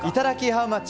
ハウマッチ。